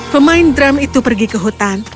pemain drum itu pergi ke hutan